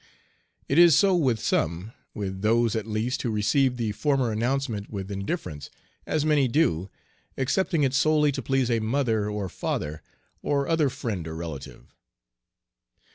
It is so with some, with those, at least, who received the former announcement with indifference, as many do, accepting it solely to please a mother, or father, or other friend or relative.